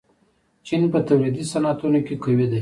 چین په تولیدي صنعتونو کې قوي دی.